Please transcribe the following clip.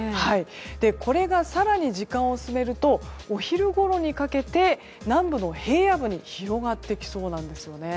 これが更に時間を進めるとお昼ごろにかけて南部の平野部に広がってきそうです。